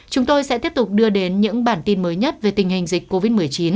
chúng tôi sẽ tiếp tục đưa đến những bản tin mới nhất về tình hình dịch covid một mươi chín